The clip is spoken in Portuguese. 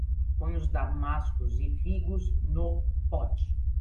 Ponha os damascos e figos no pote